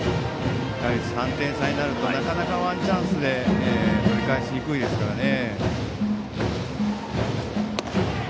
３点差になるとなかなかワンチャンスで取り返しにくいですからね。